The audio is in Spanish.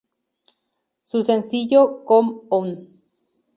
Su sencillo "Come On!